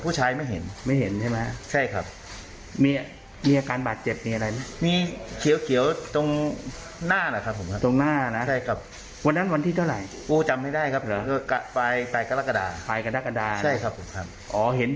ภูยิงใช่มั้ยภูยิงครับเด็กเล็กภูยิงภูชายไม่เห็น